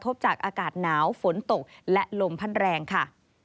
จากอากาศหนาวฝนตกและลมพัดแรงค่ะ